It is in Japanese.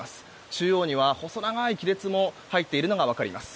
中央には、細長い亀裂も入っているのが分かります。